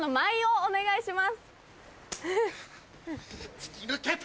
お願いします。